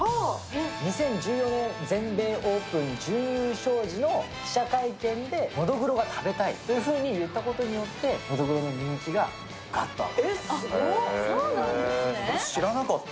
２０１４年、全米オープン準優勝時の記者会見でのどぐろが食べたいというふうに言ったことによってのどぐろの人気がガッと上がった。